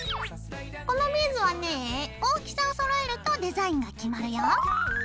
このビーズはねぇ大きさをそろえるとデザインが決まるよ。